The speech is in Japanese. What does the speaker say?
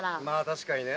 確かにね